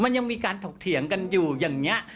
มันยังมีการถกเถียงกันอยู่อย่างนี้